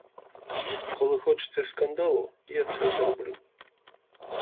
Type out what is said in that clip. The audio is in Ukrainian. Коли хочете скандалу, я це зроблю.